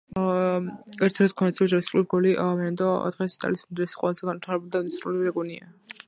ერთ დროს ვენეციის რესპუბლიკის გული, ვენეტო დღეს იტალიის უმდიდრესი, ყველაზე განვითარებული და ინდუსტრიალიზებული რეგიონია.